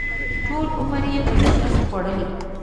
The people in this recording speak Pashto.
ټول عمر یې په نشت خوړلی.